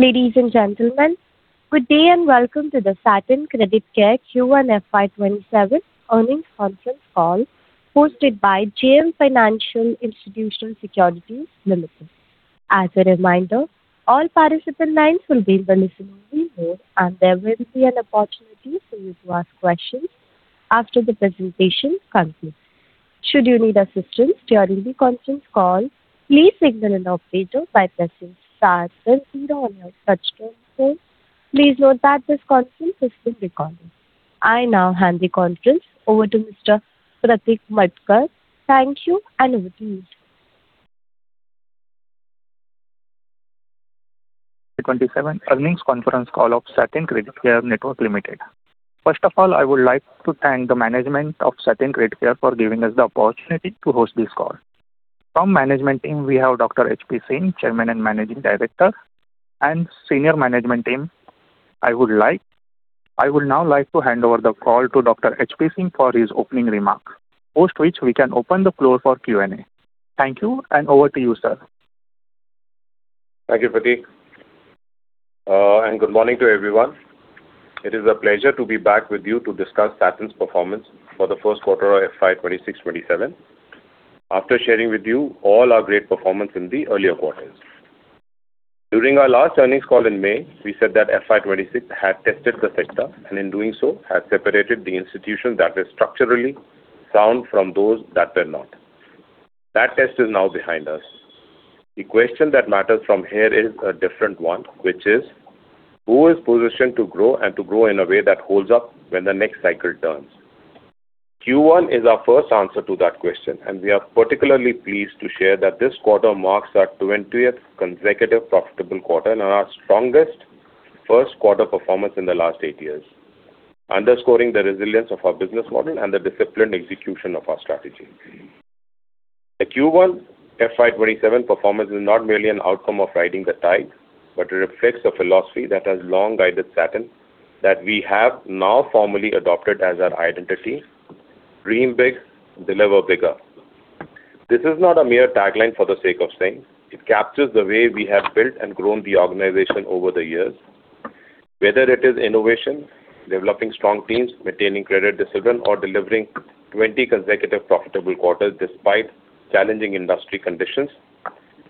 Ladies and gentlemen, good day and welcome to the Satin Creditcare Q1 FY 2027 earnings conference call, hosted by JM Financial Institutional Securities Limited. As a reminder, all participant lines will be in listen-only mode, and there will be an opportunity for you to ask questions after the presentation concludes. Should you need assistance during the conference call, please signal an operator by pressing star then zero on your touchtone phone. Please note that this conference is being recorded. I now hand the conference over to Mr. Pratik Matkar. Thank you, and over to you. 2027 earnings conference call of Satin Creditcare Network Limited. First of all, I would like to thank the management of Satin Creditcare for giving us the opportunity to host this call. From management team, we have Dr. H.P. Singh, Chairman and Managing Director, and senior management team. I would now like to hand over the call to Dr. H.P. Singh for his opening remarks, post which we can open the floor for Q&A. Thank you, and over to you, sir. Thank you, Pratik, and good morning to everyone. It is a pleasure to be back with you to discuss Satin's performance for the first quarter of FY 2026/2027. After sharing with you all our great performance in the earlier quarters. During our last earnings call in May, we said that FY 2026 had tested the sector, and in doing so, had separated the institutions that were structurally sound from those that were not. That test is now behind us. The question that matters from here is a different one, which is, who is positioned to grow and to grow in a way that holds up when the next cycle turns? Q1 is our first answer to that question, and we are particularly pleased to share that this quarter marks our 20th consecutive profitable quarter and our strongest first quarter performance in the last eight years, underscoring the resilience of our business model and the disciplined execution of our strategy. The Q1 FY 2027 performance is not merely an outcome of riding the tide, but it reflects a philosophy that has long guided Satin, that we have now formally adopted as our identity: dream big, deliver bigger. This is not a mere tagline for the sake of saying. It captures the way we have built and grown the organization over the years. Whether it is innovation, developing strong teams, maintaining credit discipline, or delivering 20 consecutive profitable quarters despite challenging industry conditions,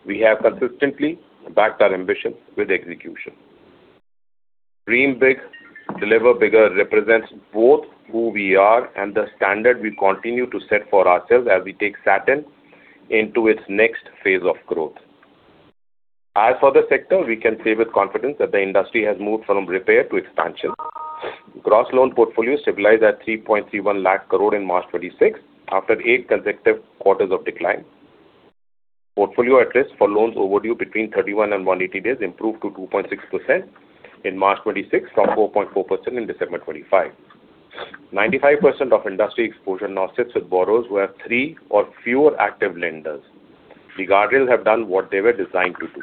we have consistently backed our ambition with execution. Dream big, deliver bigger represents both who we are and the standard we continue to set for ourselves as we take Satin into its next phase of growth. As for the sector, we can say with confidence that the industry has moved from repair to expansion. Gross loan portfolio stabilized at 3.31 lakh crore in March 2026, after eight consecutive quarters of decline. Portfolio at risk for loans overdue between 31 and 180 days improved to 2.6% in March 2026, from 4.4% in December 2025. 95% of industry exposure now sits with borrowers who have three or fewer active lenders. The guardrails have done what they were designed to do.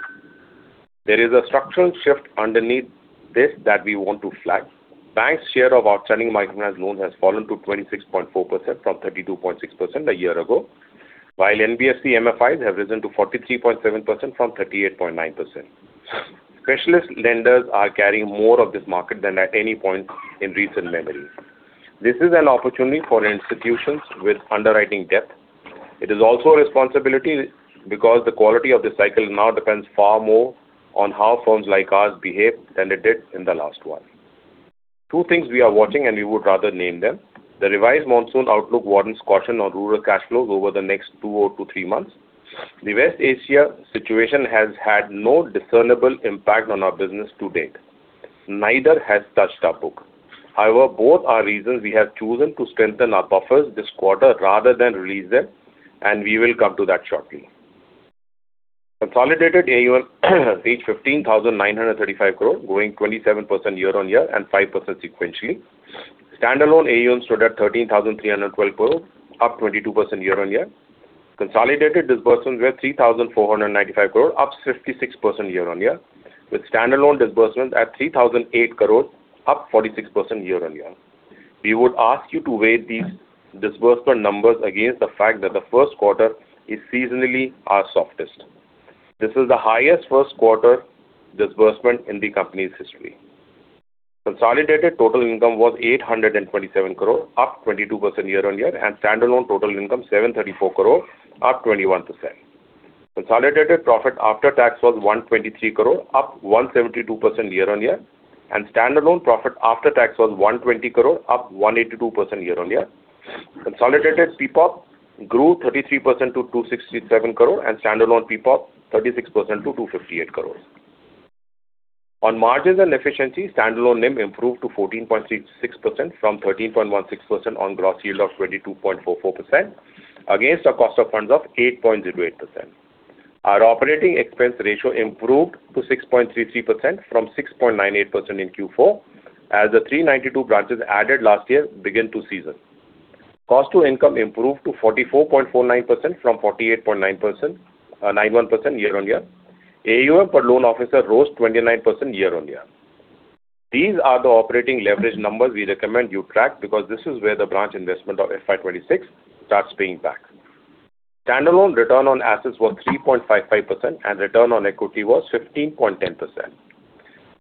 There is a structural shift underneath this that we want to flag. Banks' share of outstanding microfinance loans has fallen to 26.4% from 32.6% a year ago, while NBFC-MFIs have risen to 43.7% from 38.9%. Specialist lenders are carrying more of this market than at any point in recent memory. This is an opportunity for institutions with underwriting depth. It is also a responsibility because the quality of this cycle now depends far more on how firms like ours behave than it did in the last one. Two things we are watching, and we would rather name them. The revised monsoon outlook warrants caution on rural cash flows over the next two to three months. The West Asia situation has had no discernible impact on our business to date. Neither has touched our book. However, both are reasons we have chosen to strengthen our buffers this quarter rather than release them, and we will come to that shortly. Consolidated AUM reached 15,935 crore, growing 27% year-on-year and 5% sequentially. Standalone AUM stood at 13,312 crore, up 22% year-on-year. Consolidated disbursements were 3,495 crore, up 56% year-on-year, with standalone disbursements at 3,008 crore, up 46% year-on-year. We would ask you to weigh these disbursement numbers against the fact that the first quarter is seasonally our softest. This is the highest first quarter disbursement in the company's history. Consolidated total income was 827 crore, up 22% year-on-year, and standalone total income 734 crore, up 21%. Consolidated profit after tax was 123 crore, up 172% year-on-year, and standalone profit after tax was 120 crore, up 182% year-on-year. Consolidated PPOP grew 33% to 267 crore, and standalone PPOP 36% to 258 crore. On margins and efficiency, standalone NIM improved to 14.36% from 13.16% on gross yield of 22.44%, against a cost of funds of 8.08%. Our operating expense ratio improved to 6.33% from 6.98% in Q4, as the 392 branches added last year begin to season. Cost to income improved to 44.49% from 48.91% year-on-year. AUM per loan officer rose 29% year-on-year. These are the operating leverage numbers we recommend you track, because this is where the branch investment of FY 2026 starts paying back Standalone return on assets was 3.55%, and return on equity was 15.10%.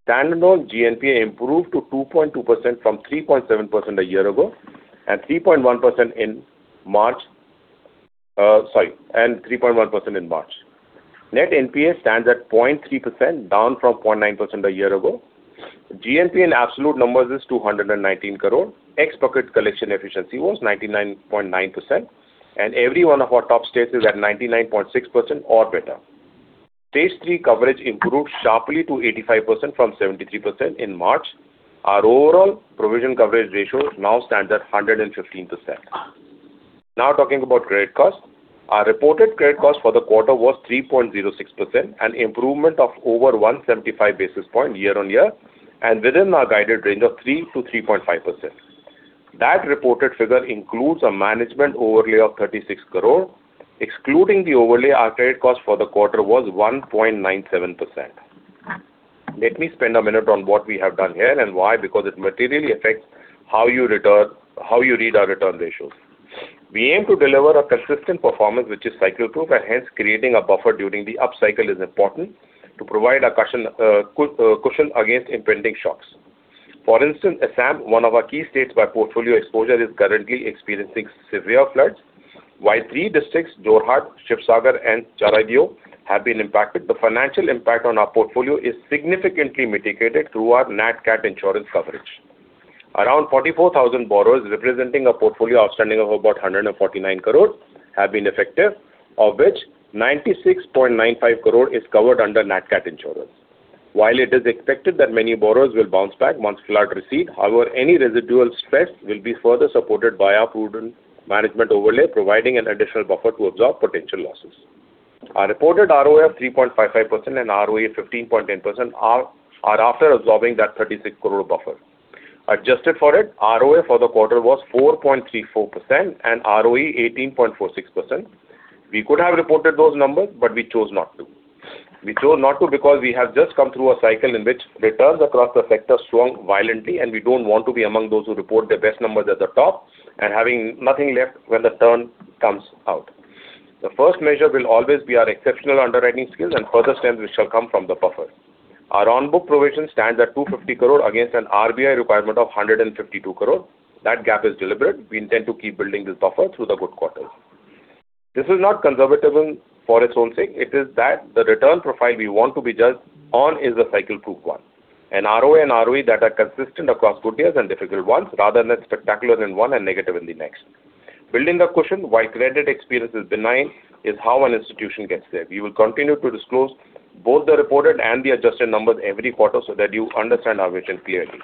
Standalone GNPA improved to 2.2% from 3.7% a year ago, and 3.1% in March. Net NPA stands at 0.3%, down from 0.9% a year ago. GNPA in absolute numbers is 219 crore. Ex-bucket collection efficiency was 99.9%, and every one of our top states is at 99.6% or better. Stage three coverage improved sharply to 85% from 73% in March. Our overall provision coverage ratio now stands at 115%. Now talking about credit cost. Our reported credit cost for the quarter was 3.06%, an improvement of over 175 basis point year-on-year, and within our guided range of 3%-3.5%. That reported figure includes a management overlay of 36 crore. Excluding the overlay, our credit cost for the quarter was 1.97%. Let me spend a minute on what we have done here and why, because it materially affects how you read our return ratios. We aim to deliver a consistent performance which is cycle-proof, and hence creating a buffer during the up cycle is important to provide a cushion against impending shocks. For instance, Assam, one of our key states by portfolio exposure, is currently experiencing severe floods. While three districts, Jorhat, Sivasagar, and Charaideo have been impacted, the financial impact on our portfolio is significantly mitigated through our NatCat insurance coverage. Around 44,000 borrowers representing a portfolio outstanding of about 149 crore have been affected, of which 96.95 crore is covered under NatCat insurance. While it is expected that many borrowers will bounce back once flood recede, however, any residual stress will be further supported by our prudent management overlay, providing an additional buffer to absorb potential losses. Our reported ROA of 3.55% and ROE of 15.10% are after absorbing that 36 crore buffer. Adjusted for it, ROA for the quarter was 4.34% and ROE 18.46%. We could have reported those numbers. We chose not to because we have just come through a cycle in which returns across the sector swung violently, and we don't want to be among those who report their best numbers at the top and having nothing left when the turn comes out. The first measure will always be our exceptional underwriting skills and further strength which shall come from the buffer. Our on-book provision stands at 250 crore against an RBI requirement of 152 crore. That gap is deliberate. We intend to keep building this buffer through the good quarters. This is not conservatism for its own sake. It is that the return profile we want to be judged on is a cycle-proof one, and ROA and ROE that are consistent across good years and difficult ones, rather than spectacular in one and negative in the next. Building a cushion while credit experience is benign is how an institution gets there. We will continue to disclose both the reported and the adjusted numbers every quarter so that you understand our vision clearly.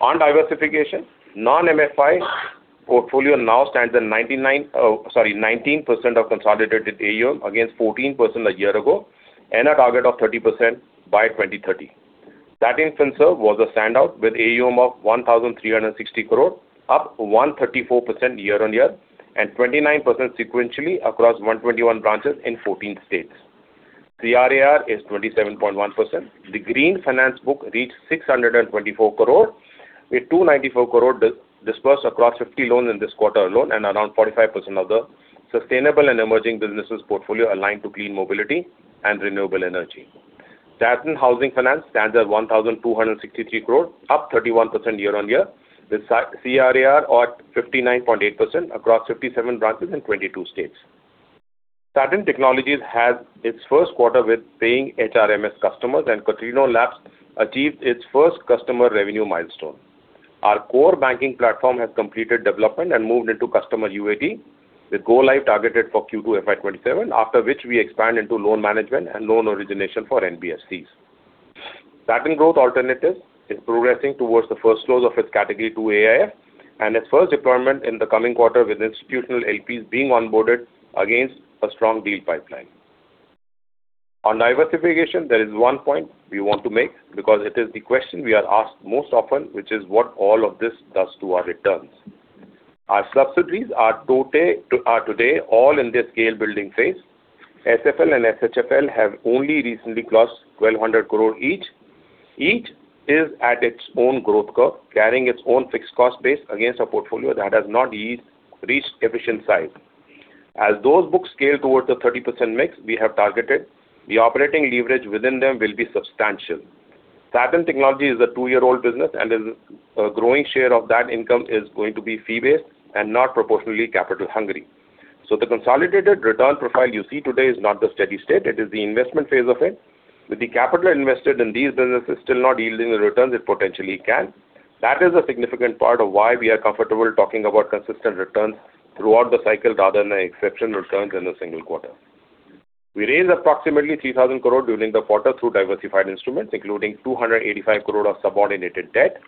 On diversification, non-MFI portfolio now stands at 19% of consolidated AUM against 14% a year ago and a target of 30% by 2030. Satin Finserv was a standout with AUM of 1,360 crore, up 134% year-on-year and 29% sequentially across 121 branches in 14 states. The RAR is 27.1%. The green finance book reached 624 crore, with 294 crore dispersed across 50 loans in this quarter alone and around 45% of the sustainable and emerging businesses portfolio aligned to clean mobility and renewable energy. Satin Housing Finance stands at 1,263 crore, up 31% year-on-year, with CRAR at 59.8% across 57 branches in 22 states. Satin Technologies had its first quarter with paying HRMS customers, and QTrino Labs achieved its first customer revenue milestone. Our core banking platform has completed development and moved into customer UAT, with go live targeted for Q2 FY 2027, after which we expand into loan management and loan origination for NBFCs. Satin Growth Alternatives is progressing towards the first close of its category two AIF and its first deployment in the coming quarter with institutional LPs being onboarded against a strong deal pipeline. Diversification, there is one point we want to make because it is the question we are asked most often, which is what all of this does to our returns. Our subsidiaries are today all in their scale-building phase. SFL and SHFL have only recently crossed 1,200 crore each. Each is at its own growth curve, carrying its own fixed cost base against a portfolio that has not yet reached efficient size. As those books scale towards the 30% mix we have targeted, the operating leverage within them will be substantial. Satin Technologies is a two-year-old business, a growing share of that income is going to be fee-based and not proportionally capital hungry. The consolidated return profile you see today is not the steady state. It is the investment phase of it, with the capital invested in these businesses still not yielding the returns it potentially can. That is a significant part of why we are comfortable talking about consistent returns throughout the cycle rather than exceptional returns in a single quarter. We raised approximately 3,000 crore during the quarter through diversified instruments, including 285 crore of subordinated debt,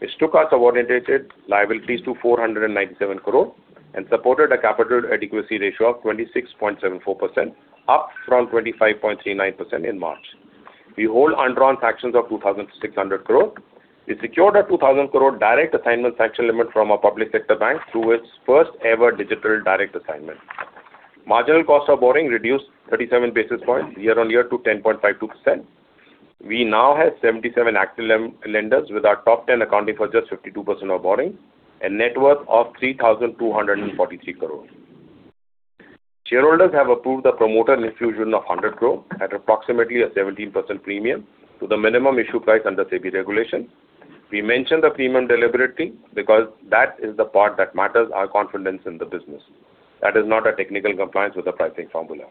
which took our subordinated liabilities to 497 crore and supported a capital adequacy ratio of 26.74%, up from 25.39% in March. We hold undrawn factions of 2,600 crore. We secured a 2,000 crore direct assignment faction limit from a public sector bank through its first-ever digital direct assignment. Marginal cost of borrowing reduced 37 basis points year-on-year to 10.52%. We now have 77 active lenders, with our top 10 accounting for just 52% of borrowing, a net worth of 3,243 crore. Shareholders have approved the promoter infusion of 100 crore at approximately a 17% premium to the minimum issue price under SEBI regulations. We mention the premium deliberately because that is the part that matters our confidence in the business. That is not a technical compliance with the pricing formula.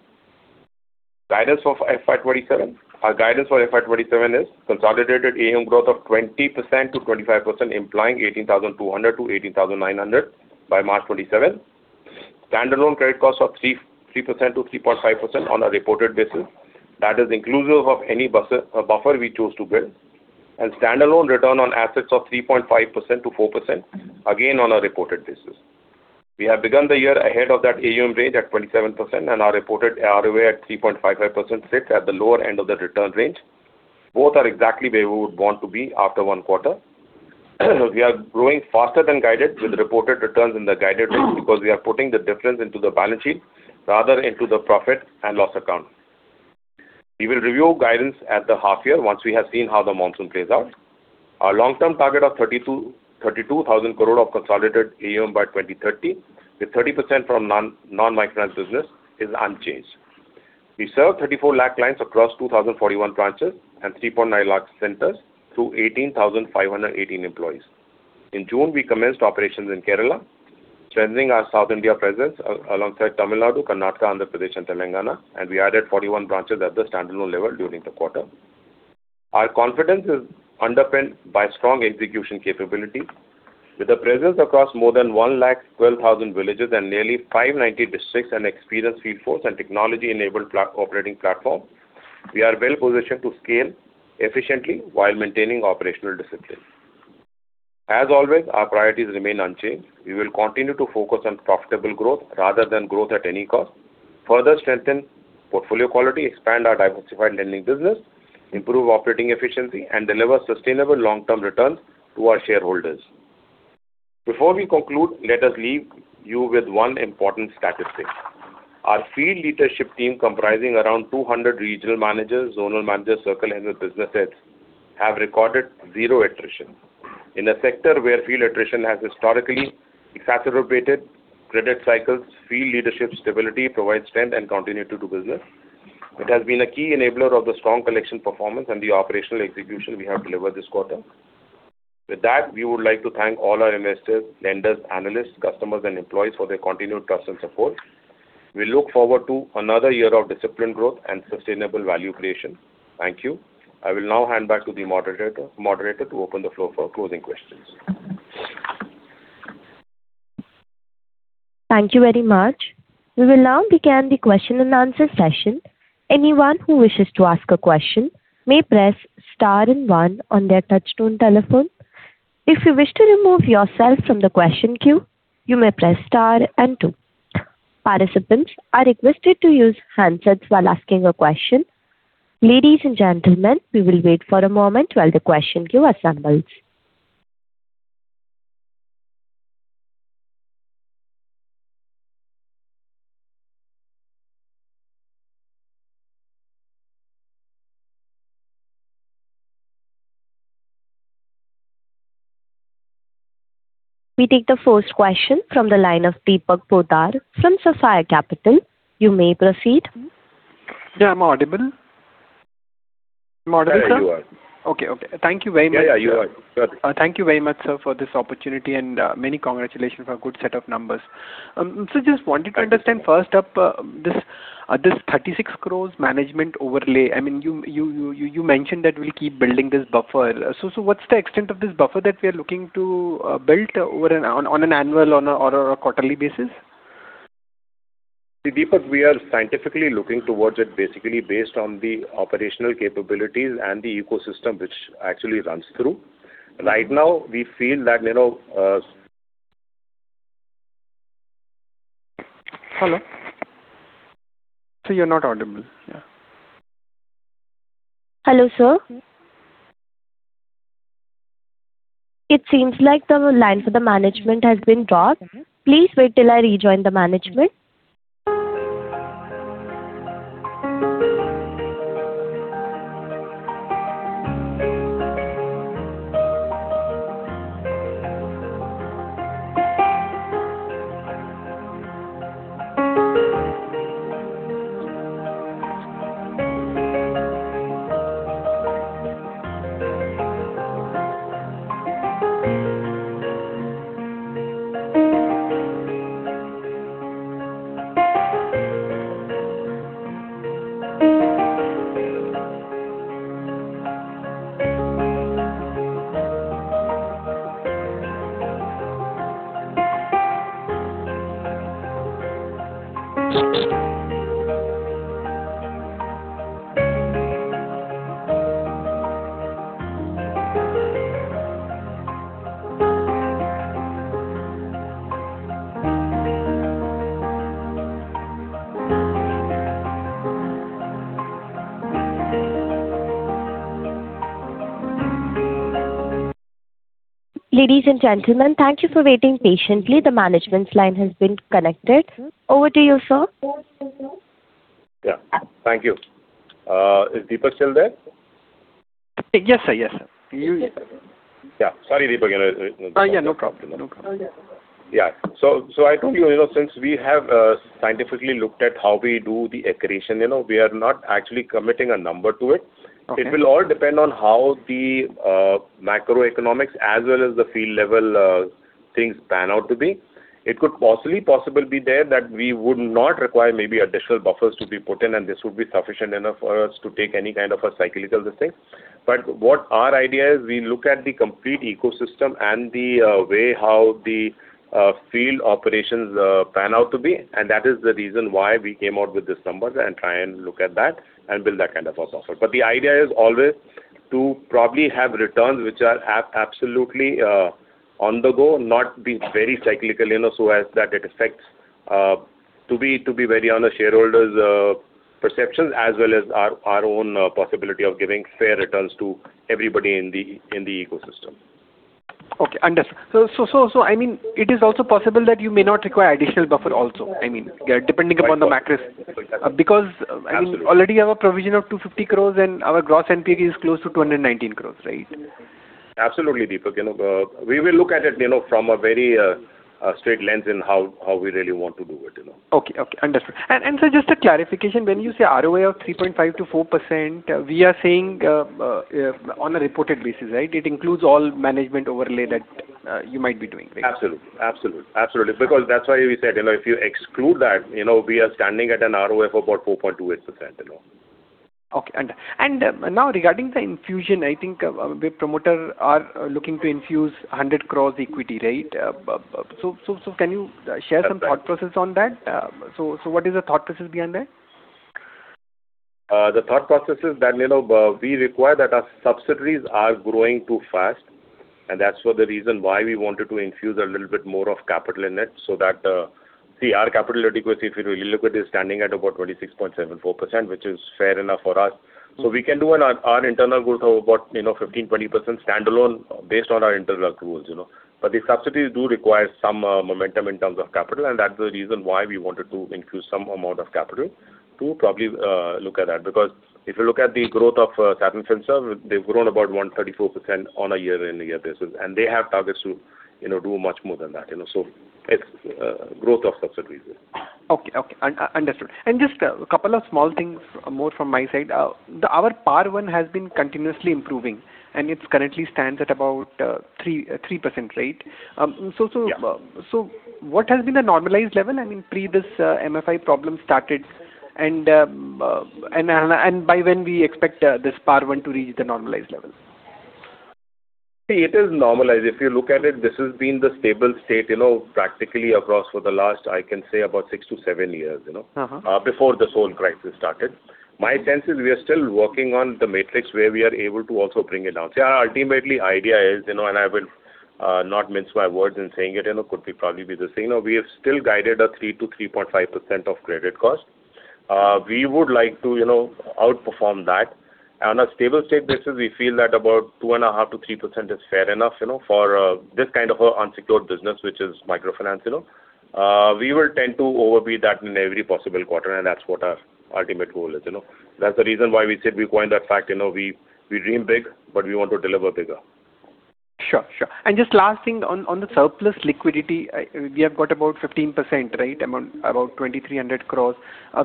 Our guidance for FY 2027 is consolidated AUM growth of 20%-25%, implying 18,200-18,900 by March 2027. Standalone credit costs of 3%-3.5% on a reported basis. That is inclusive of any buffer we choose to build. Standalone return on assets of 3.5%-4%, again, on a reported basis. We have begun the year ahead of that AUM range at 27% and our reported ROA at 3.55% sits at the lower end of the return range. Both are exactly where we would want to be after one quarter. We are growing faster than guided with reported returns in the guided range because we are putting the difference into the balance sheet rather into the profit and loss account. We will review guidance at the half year once we have seen how the monsoon plays out. Our long-term target of 32,000 crore of consolidated AUM by 2030, with 30% from non-microfinance business, is unchanged. We serve 34 lakh clients across 2,041 branches and 3.9 lakh centers through 18,518 employees. In June, we commenced operations in Kerala, strengthening our South India presence alongside Tamil Nadu, Karnataka, Andhra Pradesh, and Telangana. We added 41 branches at the standalone level during the quarter. Our confidence is underpinned by strong execution capability. With a presence across more than 112,000 villages and nearly 590 districts, an experienced field force, and technology-enabled operating platform, we are well-positioned to scale efficiently while maintaining operational discipline. As always, our priorities remain unchanged. We will continue to focus on profitable growth rather than growth at any cost, further strengthen portfolio quality, expand our diversified lending business, improve operating efficiency, and deliver sustainable long-term returns to our shareholders. Before we conclude, let us leave you with one important statistic. Our field leadership team, comprising around 200 regional managers, zonal managers, circle heads, and business heads, have recorded zero attrition. In a sector where field attrition has historically exacerbated credit cycles, field leadership stability provides strength and continuity to business. It has been a key enabler of the strong collection performance and the operational execution we have delivered this quarter. With that, we would like to thank all our investors, lenders, analysts, customers, and employees for their continued trust and support. We look forward to another year of disciplined growth and sustainable value creation. Thank you. I will now hand back to the moderator to open the floor for closing questions. Thank you very much. We will now begin the question and answer session. Anyone who wishes to ask a question may press star and one on their touchtone telephone. If you wish to remove yourself from the question queue, you may press star and two. Participants are requested to use handsets while asking a question. Ladies and gentlemen, we will wait for a moment while the question queue assembles. We take the first question from the line of Deepak Poddar from Sapphire Capital. You may proceed. Yeah. Am I audible? Am I audible, sir? Yeah, you are. Okay. Thank you very much. Yeah, you are. Go ahead. Thank you very much, sir, for this opportunity. Many congratulations for a good set of numbers. Thank you. Sir, just wanted to understand, first up, this 36 crore management overlay. You mentioned that we'll keep building this buffer. What's the extent of this buffer that we are looking to build on an annual or a quarterly basis? See, Deepak, we are scientifically looking towards it basically based on the operational capabilities and the ecosystem which actually runs through. Right now, we feel that. Hello. Sir, you're not audible. Hello, sir. It seems like the line for the management has been dropped. Please wait till I rejoin the management. Ladies and gentlemen, thank you for waiting patiently. The management's line has been connected. Over to you, sir. Yeah. Thank you. Is Deepak still there? Yes, sir. Yeah. Sorry, Deepak. Yeah, no problem. Yeah. I told you, since we have scientifically looked at how we do the accretion, we are not actually committing a number to it. Okay. It will all depend on how the macroeconomics as well as the field level things pan out to be. It could possibly be there that we would not require maybe additional buffers to be put in, and this would be sufficient enough for us to take any kind of a cyclical distinct. What our idea is, we look at the complete ecosystem and the way how the field operations pan out to be, and that is the reason why we came out with these numbers and try and look at that and build that kind of a software. The idea is always to probably have returns which are absolutely on the go, not be very cyclical, so as that it affects, to be very honest, shareholders' perceptions as well as our own possibility of giving fair returns to everybody in the ecosystem. Okay. Understood. It is also possible that you may not require additional buffer also. Depending upon the macros. Absolutely Already you have a provision of 250 crore and our gross NPA is close to 219 crore, right? Absolutely, Deepak. We will look at it from a very straight lens in how we really want to do it. Okay. Understood. Sir, just a clarification. When you say ROA of 3.5%-4%, we are saying on a reported basis, right? It includes all management overlay that you might be doing. Absolutely. That's why we said, if you exclude that, we are standing at an ROA about 4.28%. Okay. Now regarding the infusion, I think the promoter are looking to infuse 100 crore equity, right? Can you share some thought process on that? What is the thought process behind that? The thought process is that we require that our subsidiaries are growing too fast, and that's for the reason why we wanted to infuse a little bit more of capital in it so that our capital adequacy, if you really look at it, is standing at about 26.74%, which is fair enough for us. We can do our internal growth of about 15%-20% standalone based on our internal growth rules. The subsidiaries do require some momentum in terms of capital, and that's the reason why we wanted to infuse some amount of capital to probably look at that. Because if you look at the growth of Satin Finserv, they've grown about 134% on a year-on-year basis, and they have targets to do much more than that. It's growth of subsidiaries. Okay. Understood. Just a couple of small things more from my side. Our PAR 1 has been continuously improving, and it currently stands at about 3%, right? Yeah. What has been the normalized level? I mean, pre this MFI problem started and by when we expect this PAR 1 to reach the normalized level? See, it is normalized. If you look at it, this has been the stable state practically across for the last, I can say, about six to seven years. Before this whole crisis started. My sense is we are still working on the metrics where we are able to also bring it down. See, our ultimately idea is, and I will not mince my words in saying it, could probably be the same. We have still guided a 3%-3.5% of credit cost. We would like to outperform that. On a stable state basis, we feel that about 2.5%-3% is fair enough for this kind of a unsecured business, which is microfinance. We will tend to overbeat that in every possible quarter, and that's what our ultimate goal is. That's the reason why we said we coined that fact. We dream big, but we want to deliver bigger. Sure. Just last thing on the surplus liquidity. We have got about 15%, right? About 2,300 crore.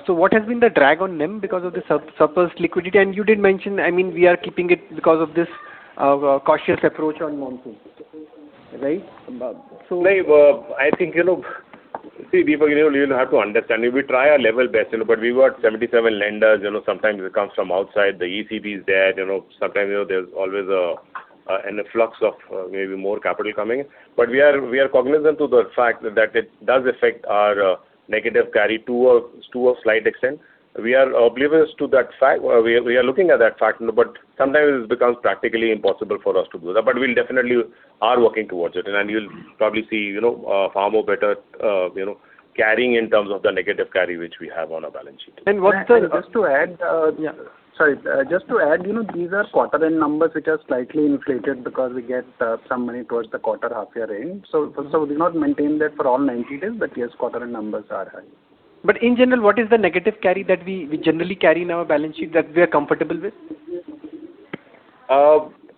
What has been the drag on NIM because of the surplus liquidity? You did mention, we are keeping it because of this cautious approach on non-fund, right? No. I think, see, Deepak, you have to understand. We try our level best. We've got 77 lenders. Sometimes it comes from outside. The ECB is there. Sometimes there's always an influx of maybe more capital coming in. We are cognizant to the fact that it does affect our negative carry to a slight extent. We are oblivious to that fact. We are looking at that fact, sometimes it becomes practically impossible for us to do that. We definitely are working towards it. You'll probably see far more better carrying in terms of the negative carry which we have on our balance sheet. And what- Just to add. Yeah. Sorry. Just to add, these are quarter-end numbers which are slightly inflated because we get some money towards the quarter, half year end. We not maintain that for all 90 days. Yes, quarter-end numbers are high. In general, what is the negative carry that we generally carry in our balance sheet that we are comfortable with?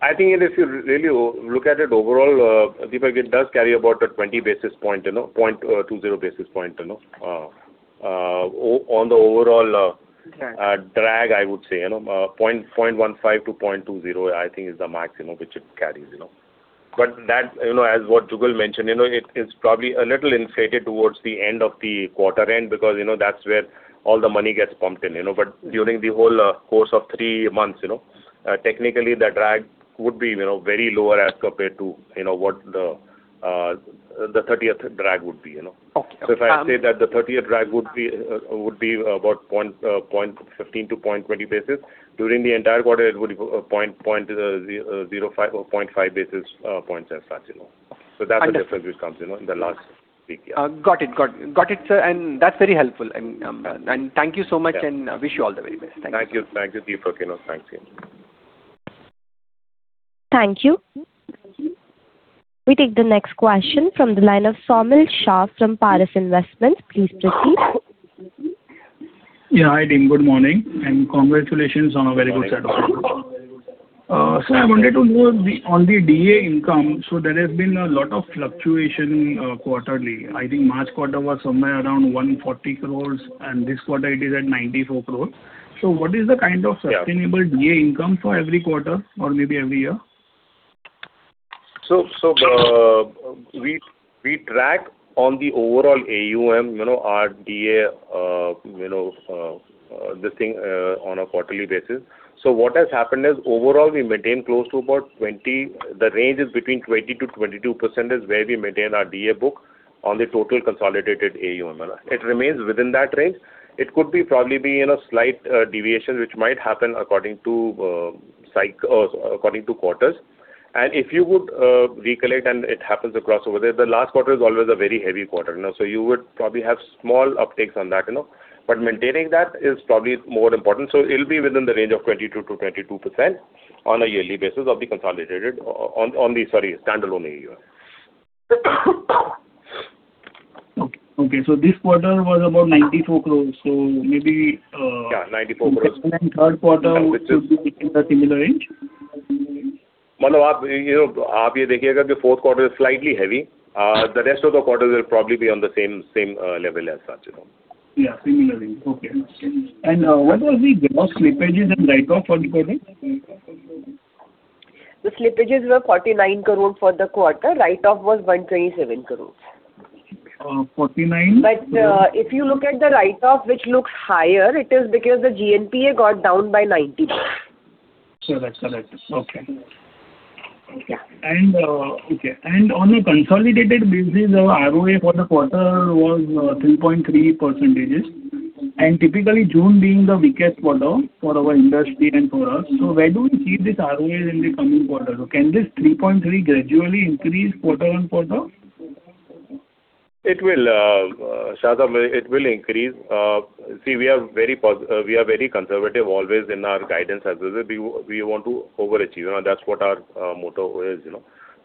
I think if you really look at it overall, Deepak, it does carry about a 20 basis point, 0.20 basis point on the overall- Drag drag, I would say. 0.15-0.20, I think is the maximum which it carries. That, as what Jugal mentioned, it is probably a little inflated towards the end of the quarter end because that's where all the money gets pumped in. During the whole course of three months, technically the drag would be very lower as compared to what the 30th drag would be. Okay. If I say that the 30th drag would be about 0.15-0.20 basis during the entire quarter, it would be 0.5 basis points as such. That's the difference which comes in the last three years. Got it, sir. That's very helpful. Thank you so much and wish you all the very best. Thank you. Thank you. Thank you, Deepak. Okay. Thanks again. Thank you. We take the next question from the line of Somil Shah from Paras Investments. Please proceed. Hi, team. Good morning, and congratulations on a very good set of numbers. I wanted to know on the DA income, there has been a lot of fluctuation quarterly. I think March quarter was somewhere around 140 crore and this quarter it is at 94 crore. What is the kind of sustainable DA income for every quarter or maybe every year? We track on the overall AUM, our DA, this thing on a quarterly basis. What has happened is overall, we maintain close to about 20%. The range is between 20%-22% is where we maintain our DA book on the total consolidated AUM. It remains within that range. It could probably be in a slight deviation, which might happen according to quarters. If you would recollect, and it happens across over there, the last quarter is always a very heavy quarter. You would probably have small uptakes on that. Maintaining that is probably more important. It will be within the range of 20%-22% on a yearly basis of the Sorry, standalone AUM. Okay. This quarter was about 94 crores. Yeah, 94 crores. Second and third quarter should be within the similar range? You know, fourth quarter is slightly heavy. The rest of the quarters will probably be on the same level as such. Yeah, similar range. Okay. What was the gross slippages and write-off for the quarter? The slippages were 49 crore for the quarter. Write-off was 127 crore. 49- If you look at the write-off, which looks higher, it is because the GNPA got down by 90 basis points. Sure. That's correct. Okay. Yeah. On a consolidated basis, our ROA for the quarter was 3.3%. Typically, June being the weakest quarter for our industry and for us, where do we see this ROA in the coming quarters? Can this 3.3 gradually increase quarter on quarter? It will. Shah, it will increase. We are very conservative always in our guidance as we want to overachieve. That's what our motto is.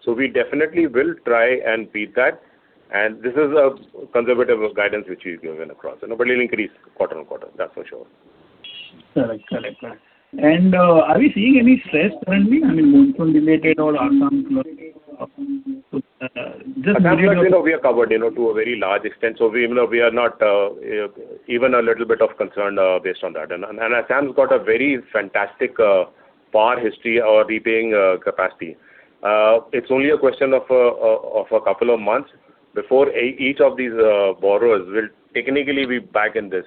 We definitely will try and beat that. This is a conservative guidance which we've given across. It will increase quarter on quarter, that's for sure. Correct. Are we seeing any stress currently? I mean, monsoon-related or Assam-related? Assam we have covered to a very large extent. We are not even a little bit concerned based on that. Assam's got a very fantastic PAR history of repaying capacity. It's only a question of a couple of months before each of these borrowers will technically be back in this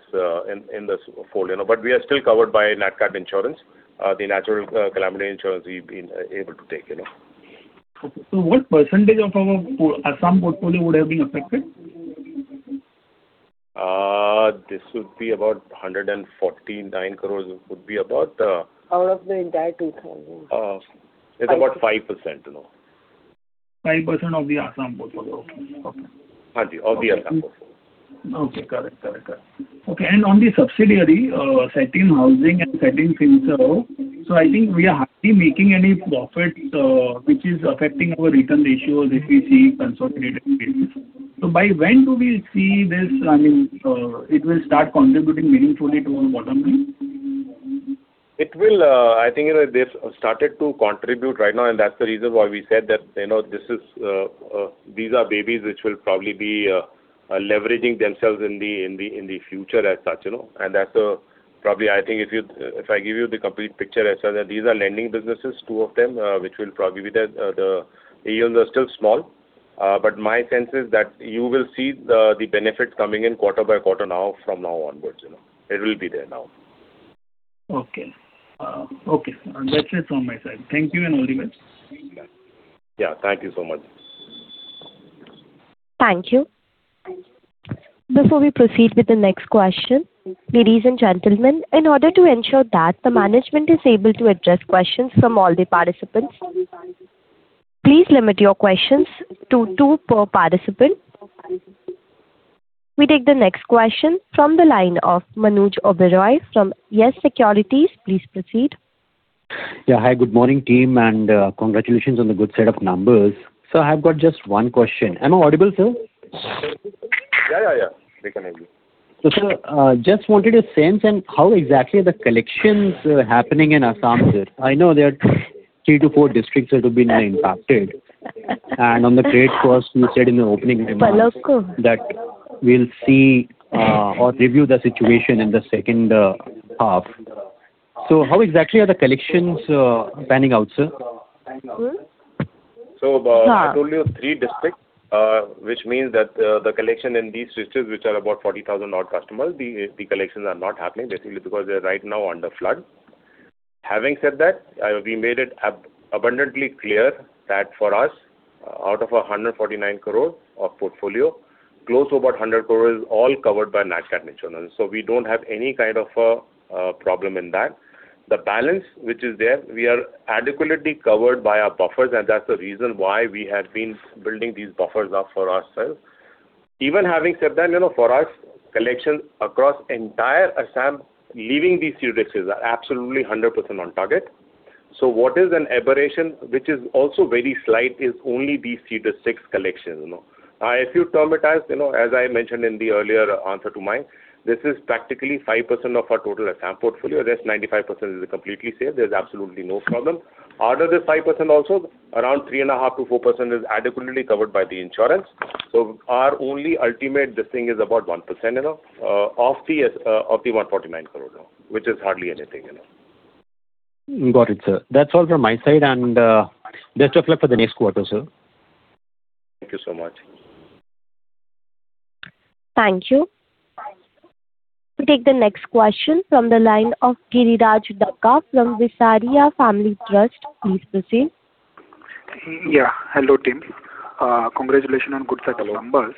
fold. We are still covered by NatCat insurance, the natural calamity insurance we've been able to take. Okay. What percent of our Assam portfolio would have been affected? This would be about 149 crore. Out of the entire 2,000. It's about 5%, you know. 5% of the Assam portfolio. Okay. Yes, of the Assam portfolio. Okay. Correct. On the subsidiary, Satin Housing and Satin Finserv, I think we are hardly making any profit which is affecting our return ratios if we see consolidated basis. By when do we see this, I mean, it will start contributing meaningfully to our bottom line? I think they've started to contribute right now, that's the reason why we said that these are babies which will probably be leveraging themselves in the future as such. That's probably, I think if I give you the complete picture as such, that these are lending businesses, two of them, which will probably be there. The AUMs are still small. My sense is that you will see the benefit coming in quarter by quarter now from now onwards. It will be there now. Okay. That's it from my side. Thank you, and all the best. Yeah. Thank you so much. Thank you. Before we proceed with the next question, ladies and gentlemen, in order to ensure that the management is able to address questions from all the participants, please limit your questions to two per participant. We take the next question from the line of Manuj Oberoi from YES Securities. Please proceed. Yeah. Hi, good morning, team, and congratulations on the good set of numbers. Sir, I've got just one question. Am I audible, sir? Yeah. We can hear you. Sir, just wanted a sense on how exactly the collections are happening in Assam, sir. I know there are three to four districts that have been impacted. On the trade first, you said in your opening remarks. Hello that we'll see or review the situation in the second half. How exactly are the collections panning out, sir? Sir? I told you three districts which means that the collection in these districts, which are about 40,000 odd customers, the collections are not happening basically because they're right now under flood. Having said that, we made it abundantly clear that for us, out of 149 crore of portfolio close to about 100 crores all covered by Nat Cat insurance. We don't have any kind of a problem in that. The balance which is there, we are adequately covered by our buffers, and that's the reason why we have been building these buffers up for ourselves. Even having said that, for our collection across entire Assam, leaving these few risks is absolutely 100% on target. What is an aberration, which is also very slight, is only these three to six collections. If you term it as I mentioned in the earlier answer to mine, this is practically 5% of our total AUM portfolio. Rest 95% is completely safe. There's absolutely no problem. Out of this 5% also, around 3.5%-4% is adequately covered by the insurance. So our only ultimate distinct is about 1%, of the 149 crore, which is hardly anything. Got it, sir. That's all from my side and best of luck for the next quarter, sir. Thank you so much. Thank you. We take the next question from the line of Giriraj Daga from Visaria Family Trust. Please proceed. Hello, team. Congratulations on good set of numbers.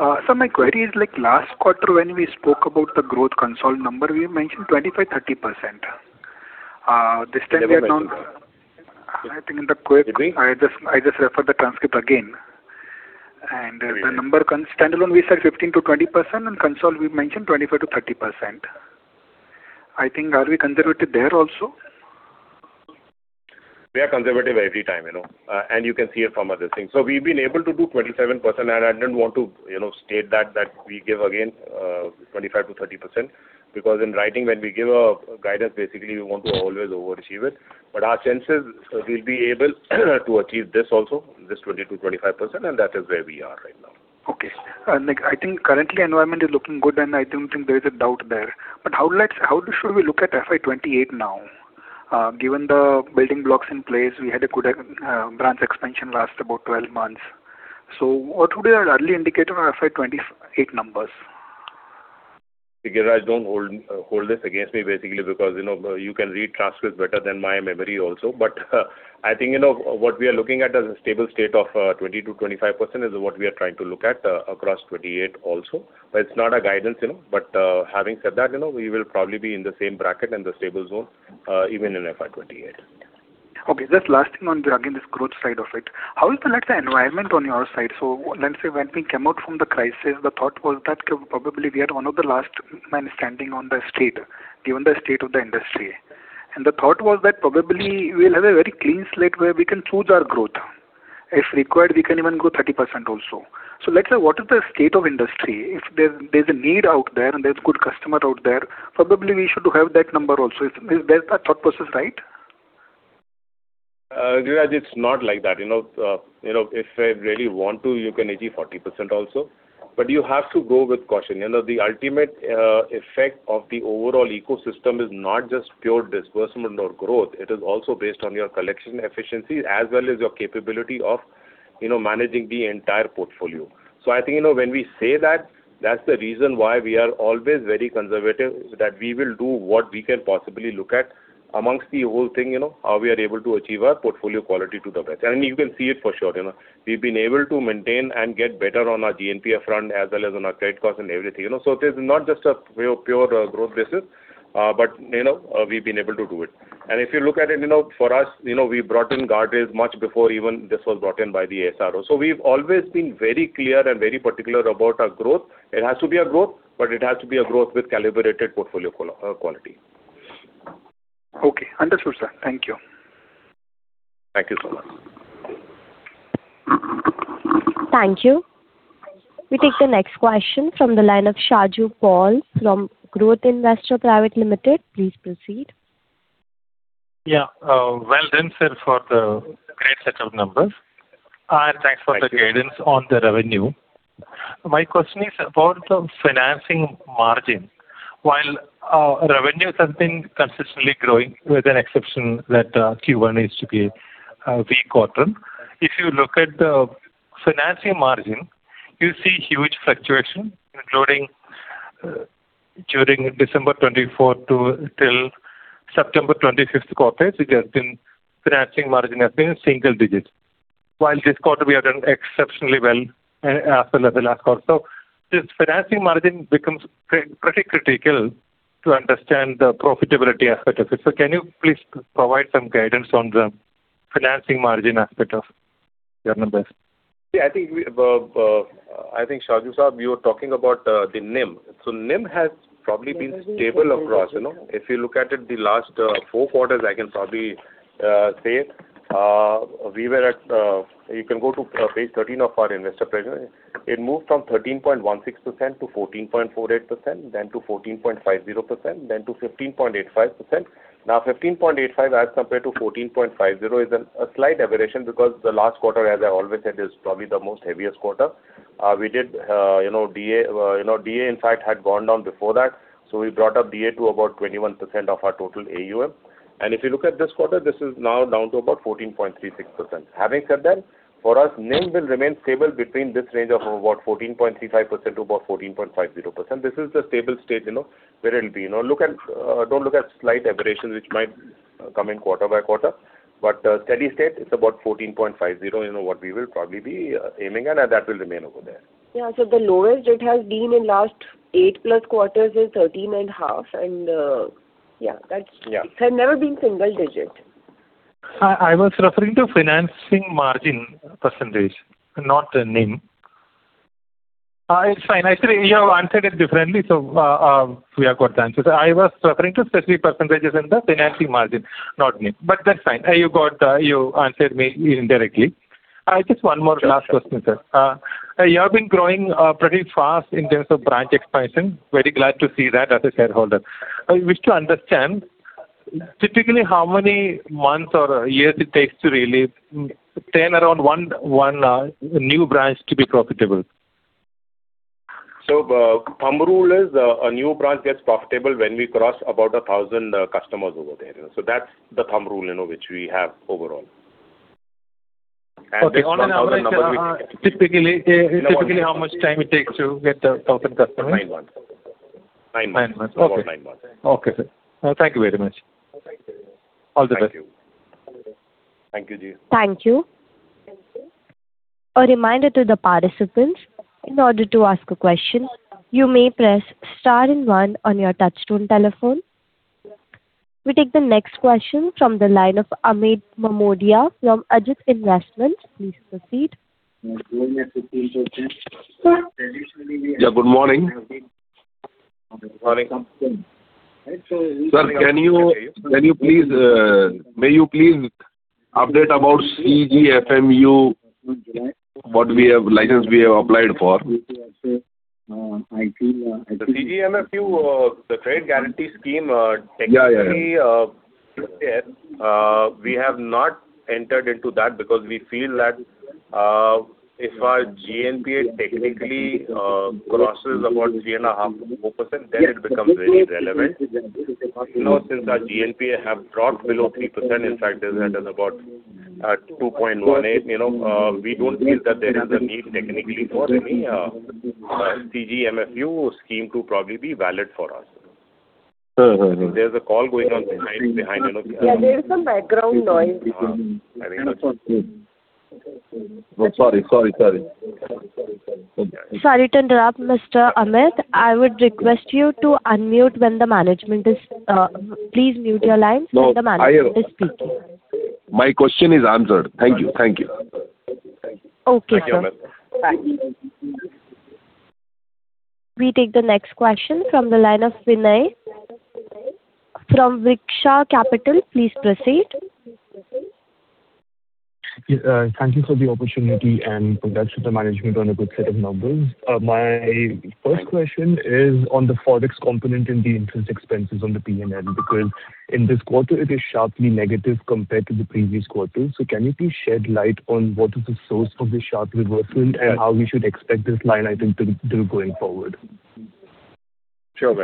My query is like last quarter when we spoke about the growth consol number, we mentioned 25%-30%. This time we are now- Did we? I just referred to the transcript again. The number standalone, we said 15%-20%. Console we mentioned 25%-30%. I think are we conservative there also? We are conservative every time, and you can see it from other things. We've been able to do 27%, and I didn't want to state that we give again 25%-30%, because in writing, when we give a guidance, basically we want to always overachieve it. Our sense is we'll be able to achieve this also, this 20%-25%, and that is where we are right now. Okay. I think currently environment is looking good, I don't think there is a doubt there. How should we look at FY 2028 now? Given the building blocks in place, we had a good branch expansion last about 12 months. What would be an early indicator of FY 2028 numbers? Giriraj, don't hold this against me basically because you can read transcripts better than my memory also. I think what we are looking at as a stable state of 20%-25% is what we are trying to look at across 2028 also. It's not a guidance. Having said that, we will probably be in the same bracket and the stable zone even in FY 2028. Okay. Just last thing on again, this growth side of it. How is the environment on your side? Let's say when we came out from the crisis, the thought was that probably we are one of the last men standing on the street, given the state of the industry. The thought was that probably we'll have a very clean slate where we can choose our growth. If required, we can even grow 30% also. Let's say, what is the state of industry? If there's a need out there and there's good customer out there, probably we should have that number also. Is that thought process right? Giriraj, it's not like that. If I really want to, you can achieve 40% also, but you have to go with caution. The ultimate effect of the overall ecosystem is not just pure disbursement or growth, it is also based on your collection efficiency as well as your capability of managing the entire portfolio. I think when we say that's the reason why we are always very conservative, that we will do what we can possibly look at amongst the whole thing, how we are able to achieve our portfolio quality to the best. You can see it for sure. We've been able to maintain and get better on our GNPA front as well as on our credit cost and everything. It is not just a pure growth basis, but we've been able to do it. If you look at it, for us, we brought in guardrails much before even this was brought in by the SRO. We've always been very clear and very particular about our growth. It has to be a growth, but it has to be a growth with calibrated portfolio quality. Okay. Understood, sir. Thank you. Thank you so much. Thank you. We take the next question from the line of Shaju Paul from Growth Investor Private Limited. Please proceed. Well done, sir, for the great set of numbers, and thanks for the guidance on the revenue. My question is about the financing margin. While our revenues have been consistently growing, with an exception that Q1 used to be a weak quarter, if you look at the financing margin, you see huge fluctuation including during December 2024 till September 2025 quarters, which has been financing margin has been single digits. While this quarter we have done exceptionally well as well as the last quarter. This financing margin becomes pretty critical to understand the profitability aspect of it. Can you please provide some guidance on the financing margin aspect of your numbers? I think, Shaju, you are talking about the NIM. NIM has probably been stable across. If you look at it the last four quarters, I can probably say, you can go to page 13 of our investor presentation. It moved from 13.16% to 14.48%, then to 14.50%, then to 15.85%. Now 15.85% as compared to 14.50% is a slight aberration because the last quarter, as I always said, is probably the most heaviest quarter. DA in fact had gone down before that. We brought up DA to about 21% of our total AUM. If you look at this quarter, this is now down to about 14.36%. Having said that, for us, NIM will remain stable between this range of about 14.35% to about 14.50%. This is the stable state where it'll be. Don't look at slight aberrations which might Coming quarter by quarter. Steady state, it's about 14.50%, what we will probably be aiming at and that will remain over there. The lowest it has been in last eight-plus quarters is 13.5%. And yeah. Yeah. It has never been single digit. I was referring to financing margin %, not NIM. It's fine. Actually, you have answered it differently, we have got the answer. I was referring to specific percent in the financing margin, not NIM, but that's fine. You answered me indirectly. Just one more last question, sir. You have been growing pretty fast in terms of branch expansion. Very glad to see that as a shareholder. I wish to understand, typically how many months or years it takes to really turn around one new branch to be profitable? Thumb rule is, a new branch gets profitable when we cross about 1,000 customers over there. That's the thumb rule which we have overall. Okay. On an average, typically how much time it takes to get 1,000 customers? Nine months. Nine months. Okay. About nine months. Okay, sir. Thank you very much. Thank you. All the best. Thank you. Thank you. A reminder to the participants, in order to ask a question, you may press star and one on your touchtone telephone. We take the next question from the line of Amit Mamodia from Ajit Investments. Please proceed. Yeah, good morning. Sir, may you please update about CGFMU, what license we have applied for. The CGFMU, the trade guarantee scheme. Yeah. Technically, we have not entered into that because we feel that if our GNPA technically crosses about 3.5%-4%, then it becomes very relevant. Since our GNPA have dropped below 3%, in fact, it is at about 2.18%, we don't feel that there is a need technically for any CGFMU scheme to probably be valid for us. Sure. There's a call going on behind. Yeah, there is some background noise. I think- Oh, sorry. Sorry to interrupt, Mr. Amit. Please mute your line when the management is speaking. My question is answered. Thank you. Okay, sir. Thank you, Amit. Bye. We take the next question from the line of Vinay from Viksha Capital. Please proceed. Thank you for the opportunity and congrats to the management on a good set of numbers. My first question is on the Forex component in the interest expenses on the P&L, because in this quarter it is sharply negative compared to the previous quarter. Can you please shed light on what is the source of this sharp reversal and how we should expect this line item to do going forward? Sure.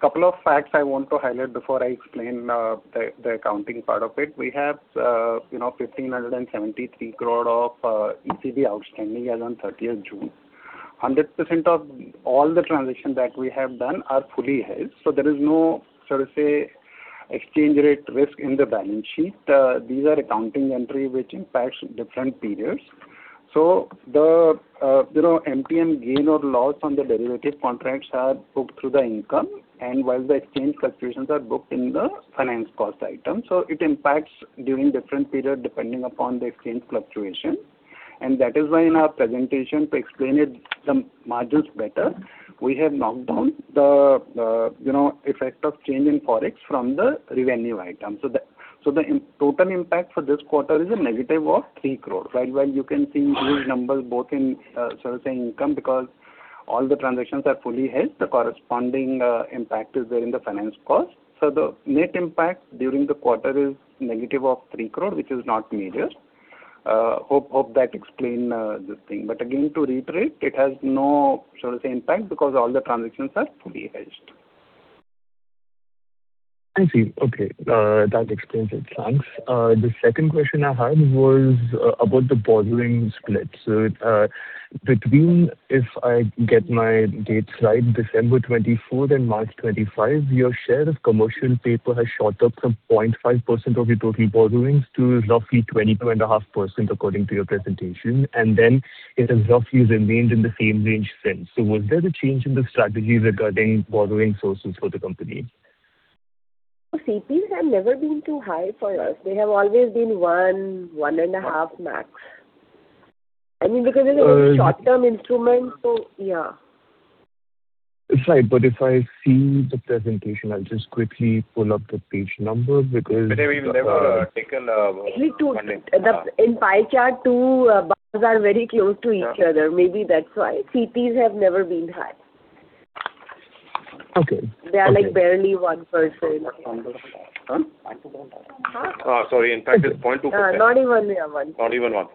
Couple of facts I want to highlight before I explain the accounting part of it. We have 1,573 crore of ECB outstanding as on 30th June. 100% of all the transactions that we have done are fully hedged. There is no exchange rate risk in the balance sheet. These are accounting entry which impacts different period. The MTM gain or loss on the derivative contracts are booked through the income and while the exchange fluctuations are booked in the finance cost item. It impacts during different period depending upon the exchange fluctuation. That is why in our presentation, to explain the margins better, we have knocked down the effect of change in Forex from the revenue item. The total impact for this quarter is a negative of 3 crore, while you can see huge numbers both in income because all the transactions are fully hedged, the corresponding impact is there in the finance cost. The net impact during the quarter is negative of 3 crore, which is not major. Hope that explain the thing, but again to reiterate, it has no impact because all the transactions are fully hedged. I see. Okay. That explains it. Thanks. The second question I had was about the borrowing split. Between, if I get my dates right, December 2024 and March 2025, your share of commercial paper has shot up from 0.5% of your total borrowings to roughly 22.5% according to your presentation, and then it has roughly remained in the same range since. Was there a change in the strategy regarding borrowing sources for the company? CPs have never been too high for us. They have always been one and a half max. It's a very short-term instrument, so yeah. Sorry, if I see the presentation, I'll just quickly pull up the page number. Vinay, we've never. In pie chart, two bars are very close to each other. Maybe that's why. CPs have never been high. Okay. They are barely 1%. Sorry. In fact, it's 0.2%. Not even 1%. Not even 1%.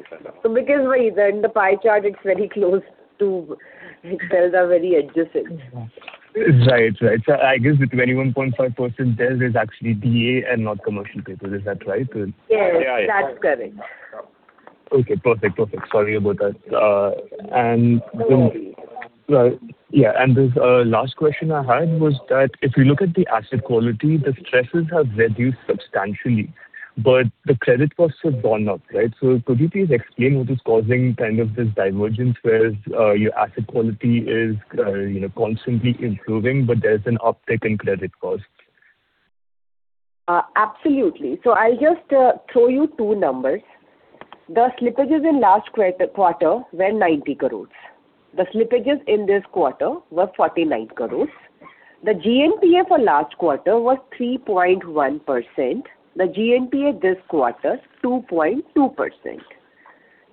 In the pie chart, it's very close. Those are very adjacent. Right. I guess the 21.5% there is actually DA and not commercial paper. Is that right? Yes, that's correct. Okay, perfect. Sorry about that. The last question I had was that if you look at the asset quality, the stresses have reduced substantially, but the credit costs have gone up, right? Could you please explain what is causing this divergence where your asset quality is constantly improving, but there's an uptick in credit cost? Absolutely. I'll just throw you two numbers. The slippages in last quarter were 90 crore. The slippages in this quarter were 49 crore. The GNPA for last quarter was 3.1%. The GNPA this quarter, 2.2%.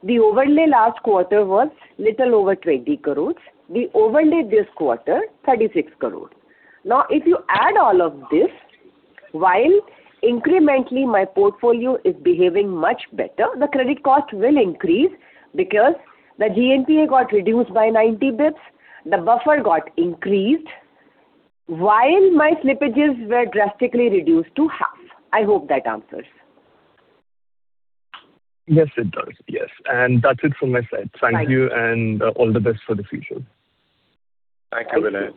The overlay last quarter was little over 20 crore. The overlay this quarter, 36 crore. If you add all of this, while incrementally my portfolio is behaving much better, the credit cost will increase because the GNPA got reduced by 90 basis points, the buffer got increased while my slippages were drastically reduced to half. I hope that answers. Yes, it does. Yes. That's it from my side. Fine. Thank you and all the best for the future. Thank you, Vinay.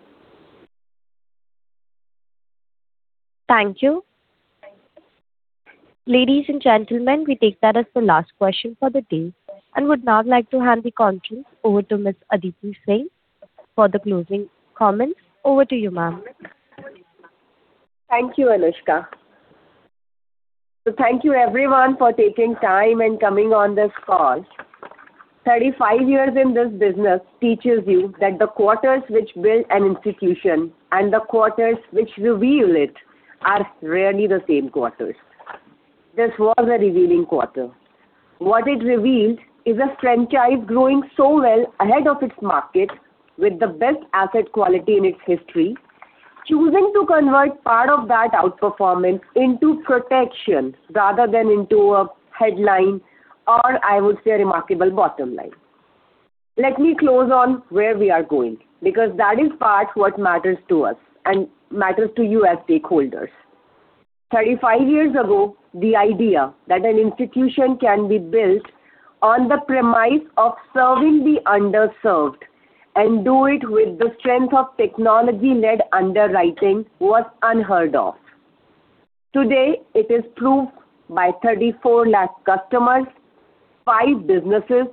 Thank you. Ladies and gentlemen, we take that as the last question for the day and would now like to hand the conference over to Ms. Aditi Singh for the closing comments. Over to you, ma'am. Thank you, Anushka. Thank you everyone for taking time and coming on this call. 35 years in this business teaches you that the quarters which build an institution and the quarters which reveal it are rarely the same quarters. This was a revealing quarter. What it revealed is a franchise growing so well ahead of its market with the best asset quality in its history, choosing to convert part of that outperformance into protection rather than into a headline, or I would say, a remarkable bottom line. Let me close on where we are going, because that is part what matters to us and matters to you as stakeholders. 35 years ago, the idea that an institution can be built on the premise of serving the underserved and do it with the strength of technology-led underwriting was unheard of. Today, it is proved by 34 lakh customers, five businesses,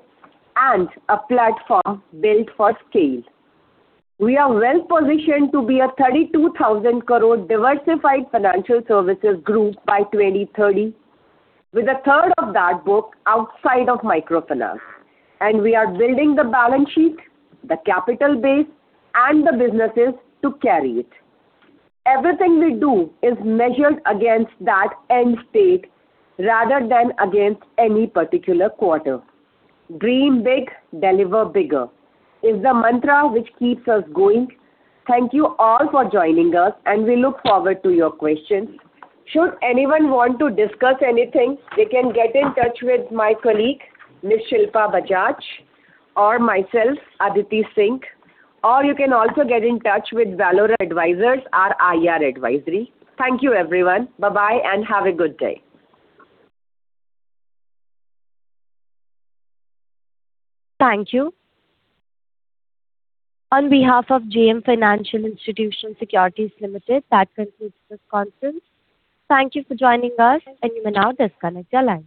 and a platform built for scale. We are well-positioned to be a 32,000 crore diversified financial services group by 2030, with a third of that book outside of microfinance. We are building the balance sheet, the capital base, and the businesses to carry it. Everything we do is measured against that end state rather than against any particular quarter. Dream big, deliver bigger is the mantra which keeps us going. Thank you all for joining us and we look forward to your questions. Should anyone want to discuss anything, they can get in touch with my colleague, Ms. Shilpa Bajaj, or myself, Aditi Singh, or you can also get in touch with Valorem Advisors, our IR advisory. Thank you everyone. Bye-bye. Have a good day. Thank you. On behalf of JM Financial Institutional Securities Limited, that concludes this conference. Thank you for joining us. You may now disconnect your lines.